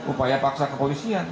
upaya paksa kepolisian